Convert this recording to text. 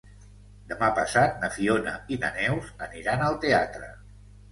Demà passat na Fiona i na Neus aniran al teatre.